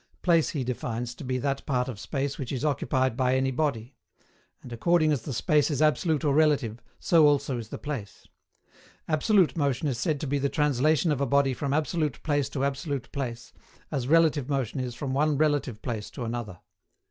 Place he defines to be that part of space which is occupied by any body; and according as the space is absolute or relative so also is the place. Absolute Motion is said to be the translation of a body from absolute place to absolute place, as relative motion is from one relative place to another.